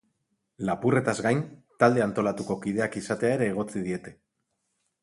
Lapurretaz gain, talde antolatuko kideak izatea ere egotzi diete.